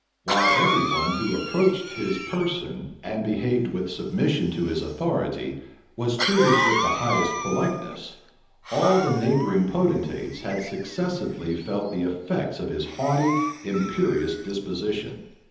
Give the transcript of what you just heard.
While every one who approached his person, and behaved with submission to his authority, was treated with the highest politeness, all the neighboring potentates had successively felt the effects of his haughty, imperious disposition.